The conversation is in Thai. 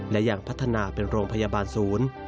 และยังพัฒนาเป็นโรงพยาบาลศูนย์